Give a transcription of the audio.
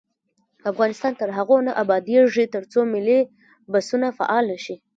افغانستان تر هغو نه ابادیږي، ترڅو ملي بسونه فعال نشي.